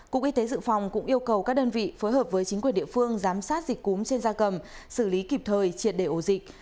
cục y tế dự phòng cũng yêu cầu các đơn vị phối hợp với chính quyền địa phương giám sát dịch cúm trên da cầm xử lý kịp thời triệt đề ổ dịch